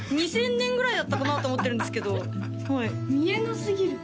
２０００年ぐらいだったかなと思ってるんですけど見えなすぎる